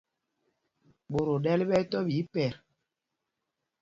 Ɓot o ɗɛ́l ɓɛ́ ɛ́ tɔ̄ ɓɛ̌ ipɛt.